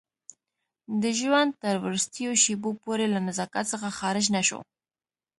د ژوند تر وروستیو شېبو پورې له نزاکت څخه خارج نه شو.